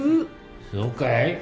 そうかい？